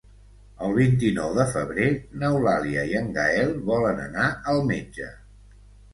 El vint-i-nou de febrer n'Eulàlia i en Gaël volen anar al metge.